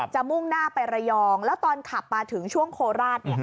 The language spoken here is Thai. มุ่งหน้าไประยองแล้วตอนขับมาถึงช่วงโคราช